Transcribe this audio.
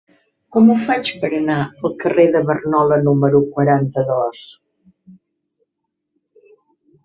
Com ho faig per anar al carrer de Barnola número quaranta-dos?